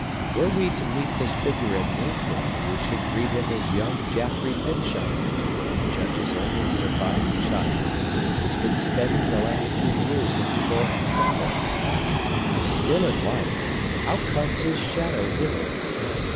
Were we to meet this figure at noonday, we should greet him as young Jaffrey Pyncheon, the Judge's only surviving child, who has been spending the last two years in foreign travel. If still in life, how comes his shadow hither?